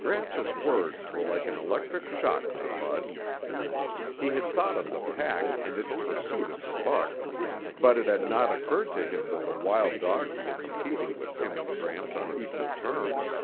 Gramps' words were like an electric shock to Bud. He had thought of the pack and its pursuit of the buck, but it had not occurred to him that the wild dogs were competing with him and Gramps on equal terms.